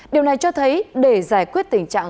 điều này cho thấy để giải quyết tình trạng